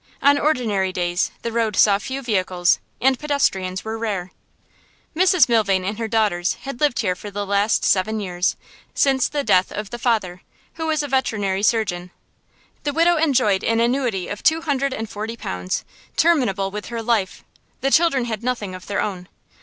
On ordinary days the road saw few vehicles, and pedestrians were rare. Mrs Milvain and her daughters had lived here for the last seven years, since the death of the father, who was a veterinary surgeon. The widow enjoyed an annuity of two hundred and forty pounds, terminable with her life; the children had nothing of their own.